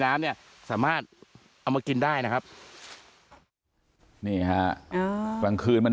น้ำเนี่ยสามารถเอามากินได้นะครับนี่ฮะอ่ากลางคืนมัน